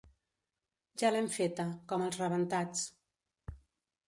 Ja l'hem feta, com els rebentats.